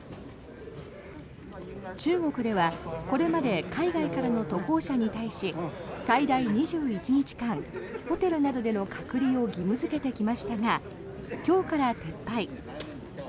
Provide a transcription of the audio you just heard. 中国ではこれまで海外からの渡航者に対し最大２１日間ホテルなどでの隔離を義務付けてきましたが今日から撤廃。